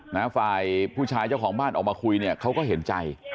นะฝ่ายผู้ชายเจ้าของบ้านออกมาคุยเนี่ยเขาก็เห็นใจ